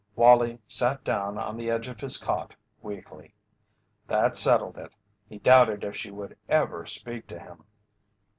Wallie sat down on the edge of his cot weakly. That settled it! He doubted if she would ever speak to him.